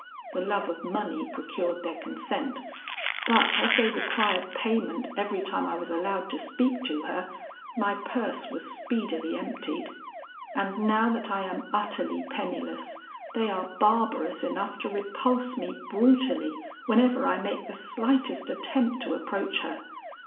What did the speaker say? The love of money procured their consent; but as they required payment every time I was allowed to speak to her, my purse was speedily emptied; and now that I am utterly penniless, they are barbarous enough to repulse me brutally, whenever I make the slightest attempt to approach her.